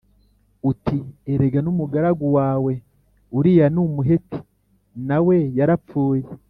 uti ‘Erega n’umugaragu wawe Uriya w’Umuheti na we yarapfuye.’ ”